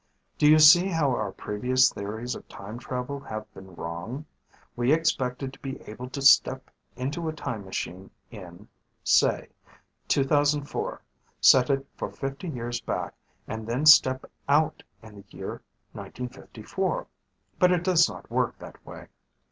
"Do you see how our previous theories of time travel have been wrong? We expected to be able to step into a time machine in, say, 2004, set it for fifty years back, and then step out in the year 1954 ... but it does not work that way.